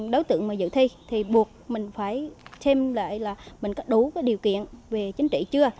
đối tượng mà dự thi thì buộc mình phải xem lại là mình có đủ điều kiện về chính trị chưa